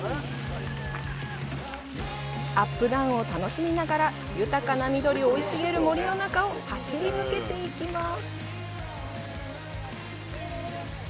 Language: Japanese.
アップダウンを楽しみながら豊かな緑生い茂る森の中を走り抜けていきます。